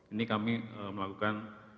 ini kami melakukan